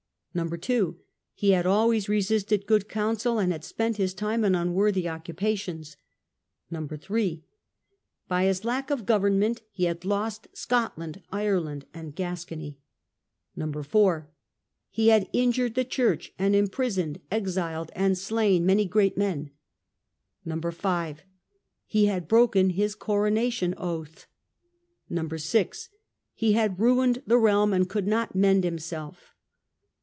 (2) He had always resisted good counsel, and had spent his time in unworthy occupations. (3) By his lack of government he had lost Scotland, Ireland, and Gascony. (4) He had injured the church, and imprisoned, exiled, and slain many great men. (5) He had broken his coronation oath. (6) He had ruined the realm and could not mend himself.